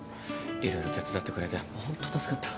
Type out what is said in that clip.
色々手伝ってくれてホント助かった。